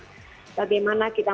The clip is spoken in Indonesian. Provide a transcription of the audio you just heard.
bagaimana kita mendapatkan kekuatan